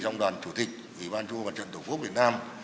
trong đoàn chủ tịch ủy ban châu âu mặt trận tổ quốc việt nam